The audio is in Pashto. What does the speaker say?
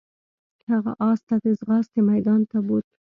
هغه اس ته د ځغاستې میدان ته بوت.